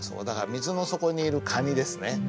だから水の底にいる蟹ですね。